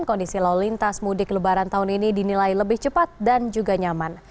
kondisi lalu lintas mudik lebaran tahun ini dinilai lebih cepat dan juga nyaman